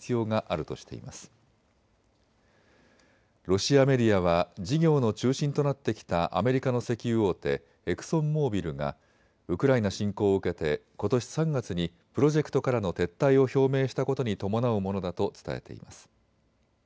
ロシアメディアは事業の中心となってきたアメリカの石油大手、エクソンモービルがウクライナ侵攻を受けてことし３月にプロジェクトからの撤退を表明したことに伴うものだと伝えています。